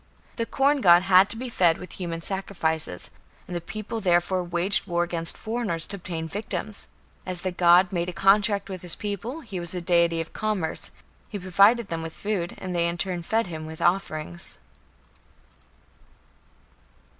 The corn god had to be fed with human sacrifices, and the people therefore waged war against foreigners to obtain victims. As the god made a contract with his people, he was a deity of commerce; he provided them with food and they in turn fed him with offerings.